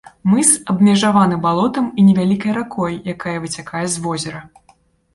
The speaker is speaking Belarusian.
Мыс абмежаваны балотам і невялікай ракой, якая выцякае з возера.